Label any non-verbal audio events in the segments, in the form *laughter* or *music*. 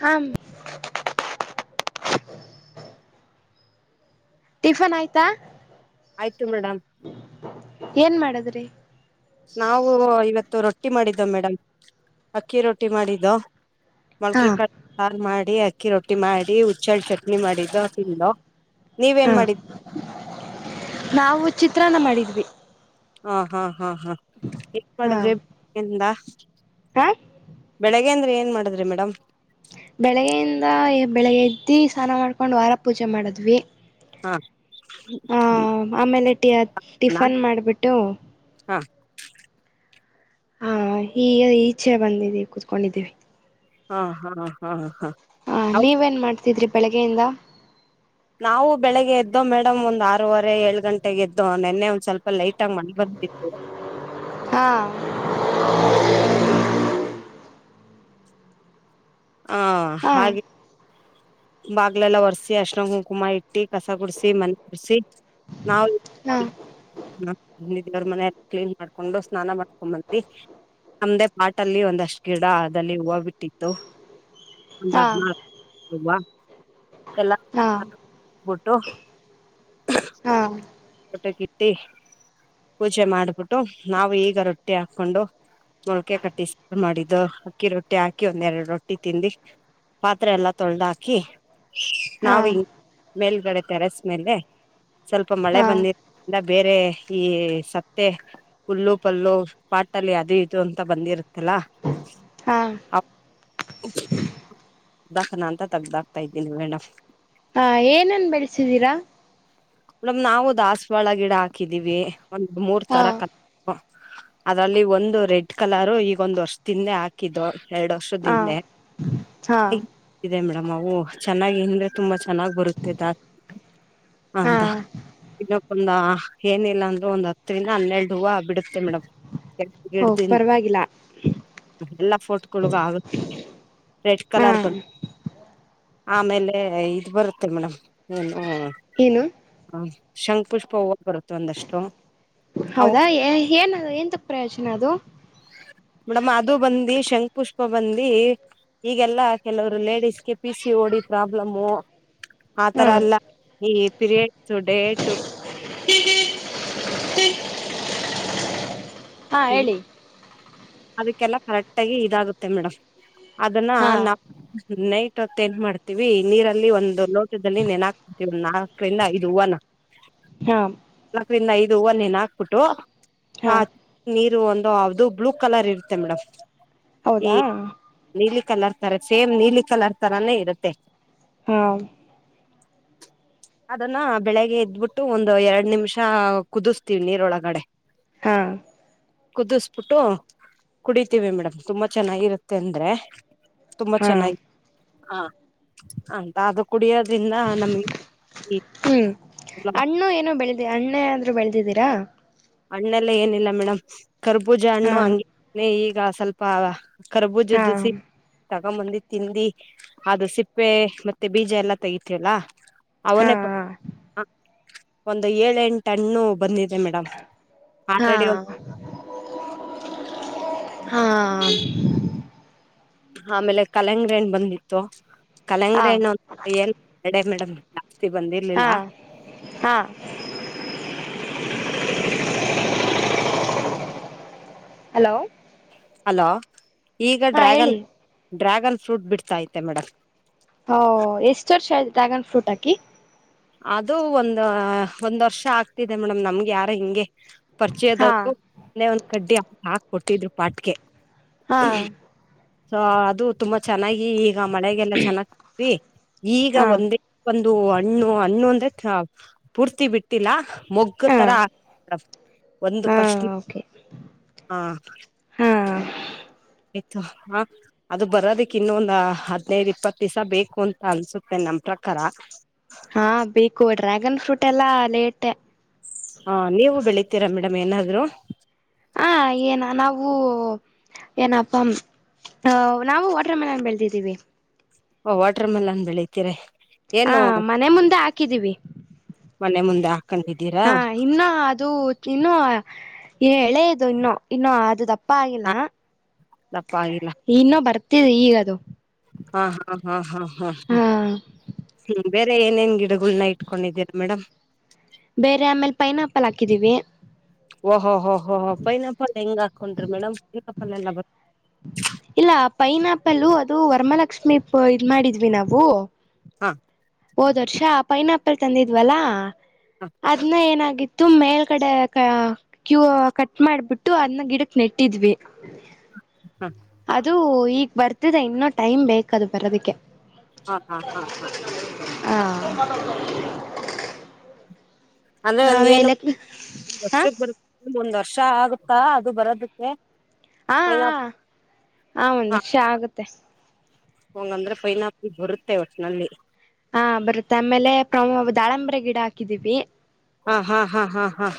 ಹ ಟಿಫನ್ ಆಯ್ತಾ. ಆಯ್ತು ಮೇಡಮ್. ಏನ್ ಮಾಡದ್ರಿ ನಾವು ಇವತ್ತು ರೊಟ್ಟಿ ಮಾಡಿದ್ದ ಮೇಡಮ್ ಅಕ್ಕಿ ರೊಟ್ಟಿ ಮಾಡಿದ್ದು ಹಾ ಮೊಳ್ಕೆ ಕ ಮಾಡಿ ಆಕ. ಅಕ್ಕಿ ರೊಟ್ಟಿ ಮಾಡಿ ಹುಚ್ಚಾಳ ಚಟ್ನಿ ಮಾಡಿದ್ದು ತಿಂದು. ನೀವೇನ್ ಹ ಮಾಡಿದ ನಾವು ಚಿತ್ರಾನ್ನ ಮಾಡಿದ್ವಿ. ಹಾ ಹಾ ಹಾ ಹಾನ್ ಮಾಡುದ್ರಿಿಂದ. ಹಾ. ಬೆಳಗ್ಗೆ ಇಂದ್ರ ಏನ್ ಮಾಡದ್ರಿ ಮೇಡಮ್? ಬೆಳಗ್ಯಿಂದ ಬೆಳಿಗ್ಗೆ ಎದ್ದಿ ಸ್ನಾನ ಮಾಡ್ಕೊಂಡ್ ವಾರ ಪೂಜೆ ಮಾಡದ್ವಿ ಹಾ ಹ ಆಮೇಲೆ ಟೀಅತ ನಾ ಟಿಫನ್ ಮಾಡ್ಬಿಟ್ಟು ಹಾ ಹಾ ಈಗ ಈಚೆ ಬಂದಿದ್ದ ಕುೂತ್ಕೊಂಡಿದ್ದೀವಿ. ಹಾ ಹಾ ಹಾ ಹಾ. ಹ ನೀವೇನ್ ಮಾಡ್ತೀ. ಸಿದರಿ ಬೆಳಗ್ಗೆಯಿಂದ ನಾವು ಬೆಳಿಗ್ಗೆ ಎದ್ದೋ ಮೇಡಮ್ ಒಂದ್ ಆರೂವರೆ ಏಳು ಗಂಟೆಗೆ ಎದ್ದೋ ನಿೆನ್ನೆ ಒಂದ್ ಸ್ವಲ್ಪ ಲೇಟಾಗಿ ಮಣ ಬಂದಿತ್ತು. ಹಾ. ಹಾ ಹಾ ಹಾಗೆ ಬಾಗ್ಲೆಲ್ಲ ಒರ್ಸಿ ಅರಷ್ಣ ಕುಂಕುಮ ಇಟ್ಟಿ. ಕಸ ಗುಡಸಿ ಮನೆ ಕುಡ್ಸಿ. ನಾವ. ಹಾ ದೇವರ ಮನ ಕ್ಲೀನ್ ಮಾಡ್ಕೊಂಡು ಸ್ನಾನ ಮಾಡ್ಕೊಂಡ್ ಬಂದಿ ನಮ್ದೇ ಪಾಟಲ್ಲಿ ಒಂದಷ್ಟ್ ಗಿಡ ಅದಲ್ಲಿ ಹೂವು ಬಿಟ್ಟಿತ್ತು. ಒಂದಾ ಹಾ ತುಂಬ ಹಾ ಎಲ್ಲಬಟ್ಟು. ಹಾ ಟಕ್ಕಿಟ್ಟಿ ಪೂಜೆ ಮಾಡ್ಬಿಟ್ಟು ನಾವು ಈಗ ರೊಟ್ಟಿ ಹಾಕೊಂಡು ಮೊಳಕೆ ಕಟ್ಟಿ ಮಾಡಿದ್ದು ಅಕ್ಕಿ ರೊಟ್ಟಿ ಹಾಕಿ ಒಂದೆರಡು ರೊಟ್ಟಿ ತಿಿಂದಿ ಪಾತ್ರೆ ಎಲ್ಲ ತೊಳೆ್ದ ಹಾಕಿ ಹಾ ನಾವು ಮೇಲ್ಗಡೆ ತೆರೆಸ್ಮೇಲೆ ಸ್ವಲ್ಪ ಮಳೆ. ಹಾ ಬಂದಿರಿಂದ ಬೇರೆ ಈ ಸತ್ತೆ ಹುಲ್ಲು ಪಲ್ಲು ಪಾಟಲ್ಲಿ ಅದು ಇದು ಅಂತ ಬಂದಿರುತ್ತಲ್ಲ. ಹಾ. ದಖನ ಅಂತ ತಗ್ದ ಹಕ್ತಾ ಇದ್ದೀನಿ ಮೇಡಮ್. ಹಾ ಏನನ್ ಬೆಳೆಸಿದೀರಾ. ್ ನಾವವು ದಾಸ್ವಾಳ ಗಿಡ ಹಾಕಿದೀವಿ ಒಂದು ಮೂರು ಹಾ ತರ ಕ ಅದರಲ್ಲಿ ಒಂದು ರೆಡ್ ಕಲರು ಈಗೊಂದು್ ವರ್ಷ ತಿಂದೆ ಹಾಕಿದ್ದು ಎರಡು ವರ್ಷ ಹಾ ಹಾ ಹಿಂದೆ ಮೇಡಮ್ ವು ಚೆನ್ನಾಗಿ ಹಿಂದ್ರೆ ತುಂಬಾ ಚೆನ್ನಾಗ್ ಬರುತ್ತಿದ್ದ ಹಾ ಅಂತ ಇನ್ನಕ್ಕೊಂದ ಏನಿಲ್ಲ ಅಂದ್ರರು ಒಂದ್ ಹತ್ತು ದಿನ ಹನ್ನೆರಡು ಹೂವು ಬಿಡುತ್ತೆ ಮೇಡಮ್ ಓ ಕೆಸಿಡ್ದಿಂದ ಪರವಾಗಿಲ್ಲ ಎಲ್ಲಾ ಫೋಟೋಗಳಗ ಆಗುತ್ತೆ ರೆಡ್ ಹಾ ಕಲರ್ ಬನ್ ಆಮೇಲೆ ಇ್ ಬರುತ್ತೆಲ್ ಮೇಡಮ್ ಹಾ ಏನು ಹ್ಮ ಶಂಖ್ ಪುಷ್ಪ ಹೂ ಬರುತ್ತೆ ಒಂದಷ್ಟು ಅವು ಹೌದಾ ಏನ್ ಎಂತ ಪ್ರಯೋಜನ ಅದು ಮೇಡಮ್ ಅದು ಬಂದಿ ಶಂಖ್ ಪುಷ್ಪ ಬಂದಿ ಈಗೆಲ್ಲಾ ಕೆಲವರು ಲೇಡಿಸಸ್ಗೆ ಪಿ ಸಿ ಓಡಿ ಪ್ರಾಬ್ಲಮು ಹಾ ಆತರ ಎಲ್ಲ ಈ ಪಿರಿಯಡ್ ಟುಡೇಟು ಹಾ ಹೇಳಿ ಎಲ್ಲ ಕರೆಕ್ಟ್ ಆಗಿ ಇದಾಗುತ್ತೆ ಮೇಡಮ್ ಅದನ್ನ ಹಾ ನಾ ನೈ ಎನ್ ಮಾಡ್ತೀವಿ ನೀರಲ್ಲಿ ಒಂದು ಲೋಟದಲ್ಲಿ ನೆನ ಹಾಕ್ವಿ ಒಂದ ನಾಲ್ಕರಿಿಂದ ಇದು ಹೂವನ ಹಾ ನಕರಿಿಂದ ಐದು ಇದು ಒನ್ನ್ ಹಾಕ್ಬಿಟ್ಟು ಹಾ ನೀರು ಒಂದು್ದದು ಬ್ಲೂ ಕಲರ್ ಇರುತ್ತೆ ಮೇಡಮ್ ಈ ಹೌದಾ ನೀಲಿ ಕಲರ್ ತರ ಸೇಮ್ ನೀಲಿ ಕಲರ್ ತರಾನೇ ಇರುತ್ತೆ ಹಾ ಅದನ್ನ ಬೆಳಿಗ್ಗೆ ಎದ್ಬಿಟ್ಟು ಒಂದು ಎರಡ್ ನಿಮಿಷ ಕುದಿಸ್ತೀವಿ ನೀರೊಳಗಡೆ ಹಾ ಕುದಿಸಬಿಟ್ಟು ಕುಡಿತೀವಿ ಮೇಡಮ್ ತುಂಬಾ ಚೆನ್ನಾಗಿರುತ್ತೆ ಅಂದ್ರೆ ತುಂಬಾ ಹಾ ಚೆನ್ನಾಗಿ ಹಾ ಅಂತ ಅದು ಕುಡಿಯದು ಇದ್ರಂದ ನಮಗೆ ಅಣ್ಣೆ ಅಂದ್ರೂ ಬೆಳೆದಿದ್ದೀರಾ ಹಣ್ಣೆಲ್ಲ ಏನಿಲ್ಲ ಮೇಡಮ್ ಕರ್ಬುಜಾಾಣು ಹಾ ಹಂಗ ಈಗ ಈಗ ಸ್ವಲ್ಪ ಹಾ ಕರಬೂಜ್ದ ಸಿ ತಾಗ ಮಂದಿ ತಿಿಂದಿ ಅದು ಸಿಪ್ಪೆ ಮತ್ತೆ ಬೀಜ ಎಲ್ಲ ತೆಗತಲ್ಲ ಹಾ ಅವನೇಪ್ಪ ಹ ಒಂದು ಏಳ ಎಂಟು ಹಣ್ಣು ಬಂದಿದೆ ಮೇಡಮ್ ಹಾ ಆಾಲ್ರೆೆಡಿ ಒಂದು ಹಾ ಆಮೇಲೆ ಕಲ್ಲಂಗಡಿ ಹಣ್ಣ್ ಬಂದಿತ್ತು. ಹಾ ಕಲಂಗಡಿ ಹಣ್ಣ್ ಏನ್ *unintelligible* ಮೇಡಮ್. ಜಾಸ್ತಿ ಬಂದಿರ್ಲಿಲ್ಲ ಹಾ ಹಾ ಹಲೋ ಹಲೋ ಈಗ ಹಾ ಡ್ರ್ಯಾಗನ್ ಹೇಳಿ ಡ್ರ್ಯಾಗನ್ ಫ್ರೂಟ್ ಬಿಡ್ತಾ ಐತೆ ಮೇಡಮ್. ಹೊ ಎಷ್ಟ್ ವರ್ಷ ಆಯ್ತು ಡ್ರ್ಯಾಗನ್ ಫ್ರೂಟ್ ಆಕಿ? ಅದು ಒಂದ್ ಒಂದ್ ವರ್ಷ ಆಗ್ತಿದೆ ಮೇಡಮ್ ನಮ್ಗೆ ಯಾರೊ ಹಿಂಗೆ ಹಾ ಪರಿಚಯದವ್ರು ಒಂದೇ ಒಂದ್ ಕಡ್ಡಿ ಆ ಹಾಕ್ಕೊಟ್ಟಿದ್ರು ಪಾಟ್ಗೆ. ಆ ಸೊ ಅದು ತುಂಬಾ ಚೆನ್ನಾಗಿ ಮಳೆಗೆಲ್ಲ ಚೆನ್ನ *unintelligible* ಈಗ ಹಾ ಒಂದೇ *unintelligible* ದು ಹಣ್ಣು ಹಣ್ಣು ಅಂದ್ರೆ ಕ ಪೂರ್ತಿ ಬಿಟ್ಟಿಲ್ಲ. ಮೊಗ್ಗ ಹಾ ತರ ಆಗ್ *unintelligible* ಒಂದು ಹಾ ಪಶ್ಟ್ ಓಕೆ ಆ ಹಾ ಆಯ್ತು ಹಾ ಅದು ಬರೋದಕ್ ಇನ್ನೊಂದ್ ಹದ್ನೈದು ಇಪ್ಪತ್ತು ದಿವ್ಸ ಬೇ ಕುಂತ ಅನ್ಸುತ್ತೆ ನಮ್ ಪ್ರಕಾರ. ಹಾ ಬೇಕು ಡ್ರ್ಯಾಗನ್ ಫ್ರೂಟ್ ಎಲ್ಲ ಲೇಟೆ. ಹಾ ನೀವು ಬೆಳಿತೀರಾ ಮೇಡಮ್ ಏನಾದ್ರು. ಹ ಏನ ನಾವು ಏನಪ್ಪ ನಾವು ವಾಟರ್ ಮೆಲನ್ ಬೆಳದಿದ್ದೀವಿ. ಓ ವಾಟರ್ ಮೆಲನ್ ಬೆಳತಿರ. ಹಾ ಮನೆ ಮುಂದೆ ಹಾಕಿದ್ದೀವಿ. ಮನೆ ಮುಂದ ಹಾ ಇನ್ನ ಅದು ಇನ್ನು ಎಳೆದು ಇನ್ನು ಇನ್ನ ಅದು ದಪ್ಪ ಆಗಿಲ್ಲ. ದಪ್ಪ ಆಗಿಲ್ಲ. ತಿ ಈಗದು ಹಾ ಹಾ ಹಾ ಹಾ ಹಾ ಹಾ ಹ್ಮ್ ಬೇರೆ ಏನೇನ್ ಗಿಡಗಳನ್ನ ಇಟ್ಕೊಂಡಿದ್ದೀರ ಮೇಡಮ್ ಬೇರೆ ಆಮೇಲ್ ಪೈನಾಪಲ್ ಹಾಕಿದೀವಿ. ಓಹೋ ಹೊ ಹೊ ಹೊ ಫೈನಪಲ್ ಹೆಂಗ್ ಹಾಕೊಂಡ್ರಿ ಮೇಡಮ್ ಪೈನಾಪಲ್ ಎಲ್ಲ ಬರ್ ಇಲ್ಲ ಪೈನಾಪಲ್ಲು ಅದು ವರ್ಮಾಲಕ್ಷ್ಮಿ ಪ್ ಇದ್ ಮಾಡಿದ್ವಿ ನಾವು ಹಾ. ಓದ್ ವರ್ಷಾ ಆ ಪೈನಾಪಲ್ ತಂದಿದ್ವಲ್ಲಾ ಹಾ ಅದ್ನೇ ಏನಾಗಿತ್ ತುಂಬ ಮೇಲ್ ಕಡೆ *unintelligible* ಕ್ಯೂ ಕಟ್ ಮಾಡ್ಬಿಟ್ಟು ಅದನ್ನ ಗಿಡಕ್ ನೆಟ್ಟಿದ್ವಿ ಹಾ ಅದು ಈಗ್ ಬರ್ತಿದೆ ಇನ್ನೂ ಟೈಮ್ ಬೇಕದು ಬರೋದಕ್ಕೆ ಹಾ ಹಾ ಹಾ ಹಾ ಹಾ ಅಂದ್ರೆ ಒಂದ ಏನು ಒ *unintelligible* ಹ ವರ್ಷ ಬರು ಒಂದ ವರ್ಷ ವಷ ಆಗುತ್ತಾ ಅದು ಬರೋದಕ್ಕೆ ಹಾ ಪೈನಾ ಆಮಂದರ್ಷ ಆಗುತ್ತೆ ಹಂಗಂದ್ರೆ ಫೈನಾ ಆಪಲ್ ಬರುತ್ತೆ ಒಟ್ನಲ್ಲಿ ಹಾ ಬರುತ್ತೆ ಆಮೇಲೆ ಪ್ರ *unintelligible* ದಾಳಂಬರ ಗಿಡ ಹಾಕಿದೀವಿ ಆಹ್ ಆಹಾ ಅಹ್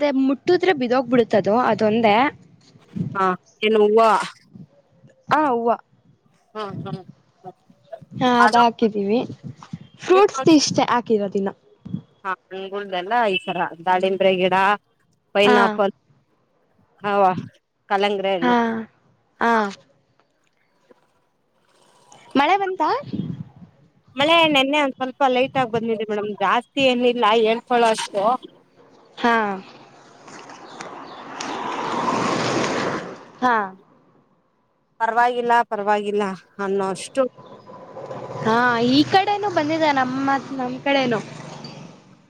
ಅದ ಮುಟ್ಟಿದ್ರೆ ಬಿದೋಗ್ ಬಿಡುತ್ತದು ಅದೊಂದೇ ಹಾ ಏನು ಹೂವ *inaudible* ಹಾ ಹೂವ ಹ್ಮ ಹ್ಮ್ ಹಾ ಅದ ಅದು ಹಾಕಿದ್ದೀವಿ ಫ್ರೂಟ್ಸ್ ಇಷ್ಟ ಕಿರದಿನ ಹಾ ಅಂಗುಳ್ದಲ್ಲ ಈಸರ ದಾಲೀಬ್ರೆ ಗಿಡ ಹಾ ಪೈನಾಪಲ್ ಹವಾ ಕಲಂಗ್ರ ಹಣ್ಣು ಹಾ ಹಾ ಮಳೆ ಬಂತ ಮಳೆಣ್ಣೆನ್ನೆ ಒಂದ್ ಸ್ವಲ್ಪ ಲೈಟ್ ಆಗ ಬಂದಿದೆ ಮೇಡಮ್ ಜಾಸ್ತಿ ಏನಿಲ್ಲ ಹೇಳ್ಕಳೋ ಅಷ್ಟು ಹಾ ಹಾ ಪರವಾಗಿಲ್ಲ ಪರವಾಗಿಲ್ಲ ಅನ್ನೋಷ್ಟು ಹಾ ಈ ಕಡೆನೂ ಬಂದಿದೆ ನಮ್ಮತ್ ನಮ್ ಕಡೆೇನು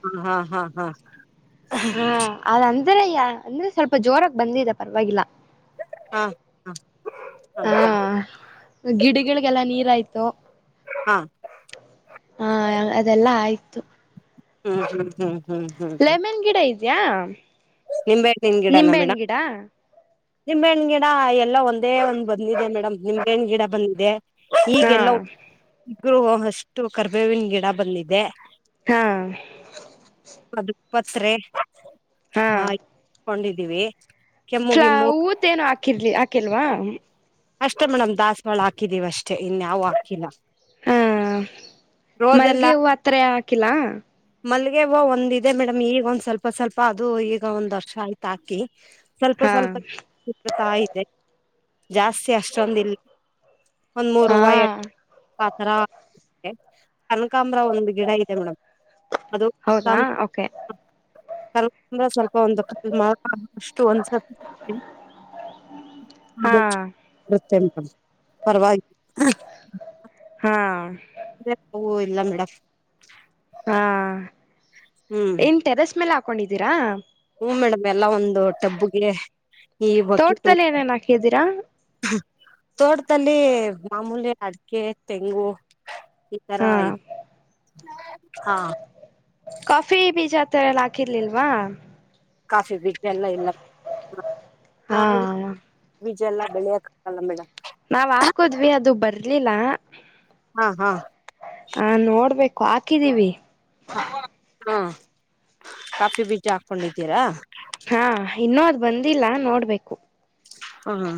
ಹ್ಮ್ ಹ್ಮ ಹ್ಮ್ ಹ್ಮ್ ಹಾ ಅದ *unintelligible* ಅಂದ್ರೆ *unintelligible* ಸ್ವಲ್ಪ ಜೋರಾಗ ಬಂದಿದೆ ಪರವಾಗಿಲ್ಲ ಹಾ ಹಾ ಹಾ ಗಿಡಗಳಗಳಿಗೆಲ್ಲ ನೀರಯ್ತು ದ *inaudible* ಹಾ ಹಾ ಅದೆಲ್ಲಾ ಆಯ್ತು ಹ್ಮ್ ಹ್ಮ್ ಹ್ಮ್ *inaudible* ಇಡಿ *unintelligible* ನಿಂಬೆ ಅನಿನ್ನ ಗಿಡ ನ *unintelligible* ಮೇಡಂ ನಿಂಬೆಹಣ್ಣು ಗಿಡ ಎಲ್ಲ ಒಂದೇ ಒಂದ್ ಬಂದಿದೆ ಮೇಡಮ್ ನಿಂಬೆಹಣ್ಣು ಗಿಡ ಬಂದಿದೆ ಹಾ ಒಂದು ಅಷ್ಟು ಕರ್ಬೇವಿನ ಗಿಡ ಬಂದಿದೆ ಹಾ ಅದು ಪತ್ರೆ ಹ ಕೊಂಡಿದ್ದೀವಿ ಫ್ಲಾ ಊತ್ಏನ ಹಾಕಿರ್ಲಿ ಹಾಕಿಲ್ವಾ ಅಷ್ಟೇ ಮೇಡಮ್ ದಸ್ವಾಳ ಹಾಕಿದೀವಿ ಅಷ್ಟೇ ಇನ್ಯಾವವು ಹಾಕಿಲ್ಲ ಹಾ ರೋಸ್ ಎಲ್ಲ ಮಲ್ಗೆ ಹೂ ಆತ್ರ ಹಾಕಿಲ್ಲ ಮಲ್ಲಿಗೆ ಹೂ ಒಂದ ಇದೆ ಮೇಡಮ್ ಈಗ ಒಂದ್ ಸ್ವಲ್ಪ ಸ್ವಲ್ಪ ಅದು ಈಗ ಒಂದ್ ವರ್ಷ ಆಯ್ತು ಹಾಕಿ ಸ್ವಲ್ಪ ಹಾ ಸ್ವಲ್ಪತ ಇದೆ ಜಾಸ್ತಿ ಅಷ್ಟ್ರಮ ದಿಲಿ ಒಂದು ಹಾ ಮೂರುೂರುವ ಎ ಪತ್ರ ಕನಕಾಾಮ್ರ ಒಂದು್ ಗಿಡ ಇದೆ ಮೇಡಮ್ ಅದು ಹೌದಾ ಓಕೆ ಕಕಂದ್ರ ಸ್ವಲ್ಪ ಒಂದ ಮಾರ್ ಅಗವಷ್ಟು ಒಂದ್ ಚ ಹಾ ಪವಾಗಿ ಹಾ ಹೂ ಇಲ್ಲ ಮೇಡಮ್ ಹಾ ಹ್ಮ್ ಇನ್ ಟೆರಸ್ ಮೇಲೆ ಅನ್ಕೊಂಡಿದೀರಾ ಹ್ಮ ಮೇಡಮ್ ಎಲ್ಲ ಒಂದು ಟಬ್ಬುಗೆ ಈ ಬಕಿಟು ತೋಟದದಲ್ಲಿ ಏನೇನ್ ಹಾಕಿದ್ದೀರಾ ತೋಟದಲ್ಲಿ ಮಾಮೂಲಿ ಅಡಿಕೆ ತೆಂಗು ಈ ತರ ಹಾ ಆಯ್ತು ಹಾ ಕಾಫಿ ಬೀಜ ಎಲ್ಲ ಹಾಕಿರ್ಲಿಲ್ವಾ ಕಾಫಿ ಬೀಜ ಇಲ್ಲ ನ ಹಾ ಬೀಜ ಎಲ್ಲ ಬೆಳೆಯಕಲ್ಲ ಮೇಡ ನಾವ್ ಹಾಕುದ್ವಿ ಅದು ಬರ್ಲಿಲ್ಲ ಹಾ ಹಾ ಹಾ ನೋಡ್ಬೇಕು ಹಾಕಿದೀವಿ ಹಾ ಹ್ಮ್ಮ್ ಕಾಫಿ ಬೀಜ ಹಾಕೊಂಡಿದ್ದೀರಾ ಹಾ ಇನ್ನೂ ಅದ್ ಬಂದಿಲ್ಲ ನೋಡ್ಬೇಕು ಅಹಾ.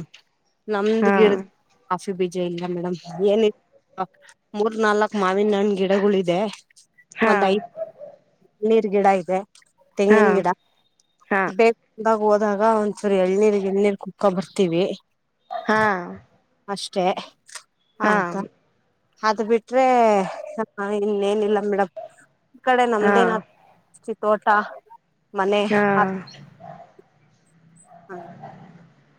ನಮ್ದ್ ಹಾ ಗಿಡದ್ *unintelligible* ಬೀಜ ಇಲ್ಲ. ಮೇಡಮ್, ಏನಿದ್ ಮೂರ್ ನಾಲ್ಕ್ ಮಾವಿನಹಣ್ ಗಿಡಗುಳ್ ಇದೆ ಹಾ. ನೀರ್ ಗಿಡ ಇದೆ. ಹಾ ತೆಂಗಿನ್ ಗಿಡ ಹಾ ಬೇ ಬಂದಾಗ್ ಓದಾಗ ಒಂದ್ಚೂರ್ ಎಳ್ನೀರ್ ಗಿಳ್ನೀರ್ ಕುಡ್ *unintelligible* ಬರ್ತೀವಿ. ಹಾ. *unintelligible* ಹಾಮ್ ಅದ್ ಬಿಟ್ರೆ ಸ್ವಲ್ಪ ಇನ್ನೇನಿಲ್ಲಪ್ ಮೇಡಂ, ಈ ಕಡೆ ಹಾ ನಮ್ದೇನ್ *unintelligible* ತೋಟಾ ಮನೆ ಹಾ ಅ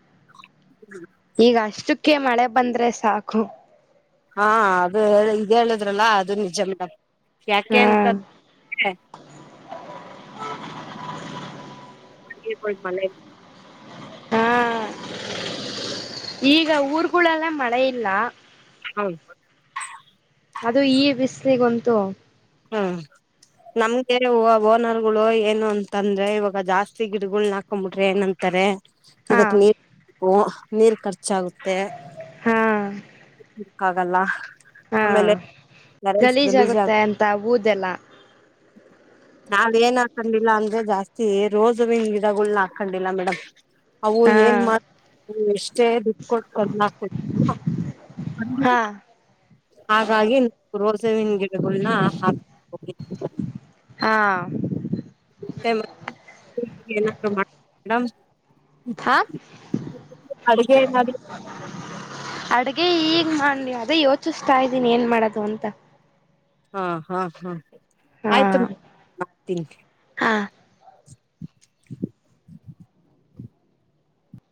*inaudible* ಅದ್ ಅಷ್ಟಕ್ಕೆ ಮಳೆ ಬಂದ್ರೆ ಸಾಕು. ಹಾ ಅದು ಇದ್ ಹೇಳದ್ರಲ್ಲ ಅದು ನಿಜ ಮೇಡಮ್. ಯಾಕೆ ಹಾ ಅಂತ್ ಅಂ ದ್ರೆ *unintelligible* ಮನೇಲಿ ಹಾ, ಈಗ ಊರ್ಗುಳಲ್ಲೇ ಮಳೆ ಇಲ್ಲ. ಹಂ. ಅದು ಈ ಬಿಸ್ಲಿಗಂತು ಹ್ಮ, ನಮ್ಗೆ ಓ ಓನರ್ಗುಳು ಏನು ಅಂತಂದ್ರೆ ಇವಾಗ ಜಾಸ್ತಿ ಗಿಡಗುಳ್ನ ಹಾಕೊಂಬಿಟ್ರೆ ಏನಂತಾರೆ ಹಾ ಇವತ್ ನೀರ್ *unintelligible* ನೀಲ್ *unintelligible* ಚಾಗುತ್ತೆ. ಹಾ ಕಾಗಲ್ಲ. ಹಾ ಆಮೇಲೆ ನರೇನ್ಸ್ ಗಲೀಜ್ ಆ ತ ವುದೆಲ್ಲ. ನಾವ್ ಏನ್ ಹಾಕೊಂಡಿಲ್ಲ ಅಂದ್ರೆ ಜಾಸ್ತಿ ರೋಜ ಹೂವಿನ್ ಗಿಡಗಳನ್ನ ಹಾಕೊಂಡಿಲ್ಲ ಮೇಡಮ್. ಅವು ಹಾ ಏನ್ ಮಾಡ *unintelligible* ಎಷ್ಟೇ ದುಡ್ ಕೊಟ್ಟು *unintelligible* ಬಂದಿಲ್ಲ. ಹಾ ಹಾಗಾಗಿ ರೋಸೆ ಹೂವಿನ್ ಗಿ ಡಗೊಳ್ನ ಹಾಕ್ *unintelligible* ಹಾ ಮತ್ತೆ *unintelligible* ಏನಾದ್ರು *unintelligible* ಮೇಡಂ ಹಾ ಅಡ್ಗೆ ಏನಾದ್ರು ಅಡ್ಗೆ ಈಗ್ ಮಾಡ್ಲ್ನಿ ಅದೇ ಯೋಚಿಸ್ತಾ ಇದ್ದೀನಿ ಏನ್ ಮಾಡದು ಅಂತ. ಅ ಹಾ ಹ್ ಹಾ *unintelligible* ಮಾ ತಿನ್. ಹಾ